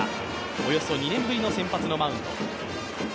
およそ２年ぶりの先発のマウンド。